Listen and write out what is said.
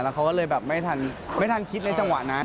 เขาก็เลยแบบไม่ทันคิดในจังหวะนั้น